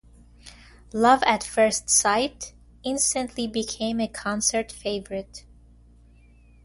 "Love at First Sight" instantly became a concert favorite.